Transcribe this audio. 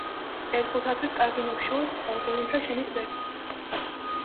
ერთგულთათვის კარგი ნუ გშურს, ორგულიმცა შენი კვდების.